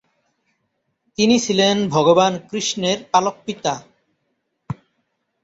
তিনি ছিলেন ভগবান কৃষ্ণের পালক-পিতা।